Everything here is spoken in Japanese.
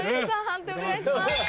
判定お願いします。